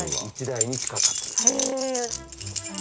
１台に近かったです。